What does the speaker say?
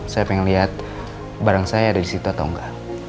saya pengen liat barang saya ada disitu atau engga